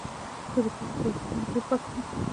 زه د پاکو بالښتونو بوی خوښوم.